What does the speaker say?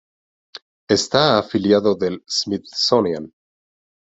Está afiliado del Smithsonian.